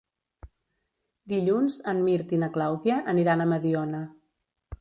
Dilluns en Mirt i na Clàudia aniran a Mediona.